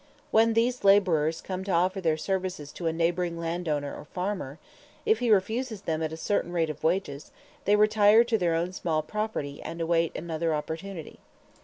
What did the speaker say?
When these laborers come to offer their services to a neighboring landowner or farmer, if he refuses them a certain rate of wages, they retire to their own small property and await another opportunity.